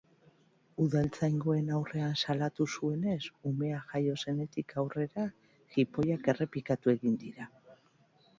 Udaltzaingoen aurrean salatu zuenez, umea jaio zenetik aurrera jipoiak errepikatu egin dira.